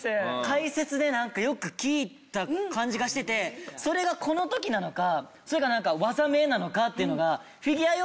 解説でなんかよく聞いた感じがしててそれがこの時なのかそれかなんか技名なのかっていうのが。